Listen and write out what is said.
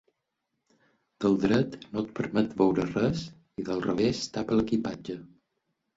Del dret no et permet veure res i del revés tapa l'equipatge.